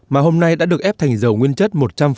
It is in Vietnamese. mà hôm nay đã được ép thành dầu nguyên chất một trăm linh